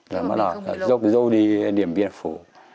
rồi mới là dốc dô đi điểm biên phủ